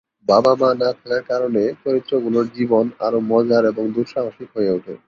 বাবা মা না থাকার কারণে চরিত্রগুলোর জীবন আরও মজার এবং দুঃসাহসিক হয়ে থাকে।